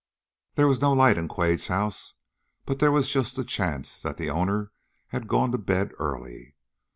There was no light in Quade's house, but there was just a chance that the owner had gone to bed early.